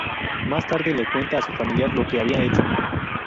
Más tarde, le cuenta a su familia lo que había hecho.